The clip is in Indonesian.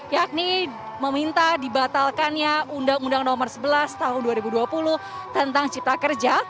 yakni meminta dibatalkannya undang undang nomor sebelas tahun dua ribu dua puluh tentang cipta kerja